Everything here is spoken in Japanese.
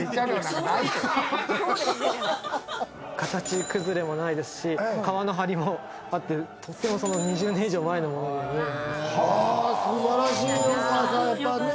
形崩れもないですし、革の張りもあって、とても２０年以上の前のものには見えない。